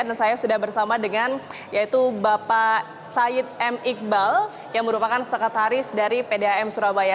dan saya sudah bersama dengan yaitu bapak said m iqbal yang merupakan sekretaris dari pdam surabaya